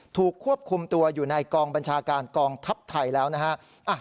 ถูกควบคุมตัวอยู่ในกองบัญชาการกองทัพไทยแล้วนะฮะ